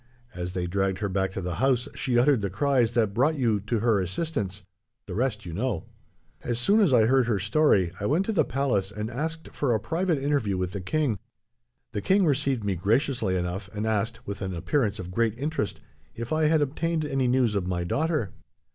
As they dragged her back to the house, she uttered the cries that brought you to her assistance. The rest you know. "As soon as I heard her story, I went to the palace and asked for a private interview with the king. The king received me graciously enough, and asked, with an appearance of great interest, if I had obtained any news of my daughter.